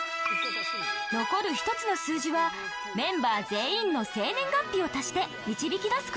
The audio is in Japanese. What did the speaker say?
残る１つの数字はメンバー全員の生年月日を足して導き出す事に